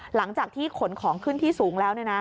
หลังจากที่ขนของขึ้นที่สูงแล้ว